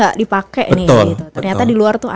gak dipake nih ternyata di luar tuh